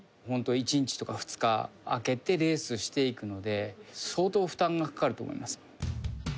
本当１日とか２日空けてレースしていくので相当、負担がかかると思います。